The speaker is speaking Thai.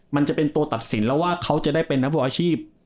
มันจะเป็นตัวตัดสินแล้วว่าเขาจะได้เป็นนักฟุตบอลอาชีพ